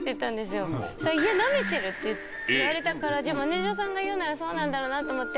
よそしたら「ナメてる」って言われたからじゃあマネジャーさんが言うならそうなんだろうなと思って。